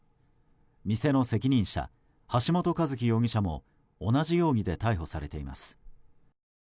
店の責任者、橋本一喜容疑者も同じ容疑で逮捕されています。